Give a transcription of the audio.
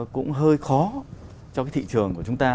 cũng hơi khó cho cái thị trường của chúng ta